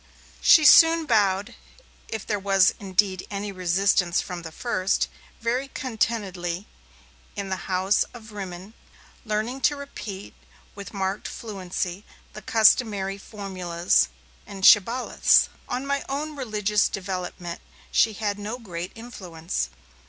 She soon bowed, if there was indeed any resistance from the first, very contentedly in the House of Rimmon, learning to repeat, with marked fluency, the customary formulas and shibboleths. On my own religious development she had no great influence.